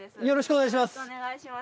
よろしくお願いします。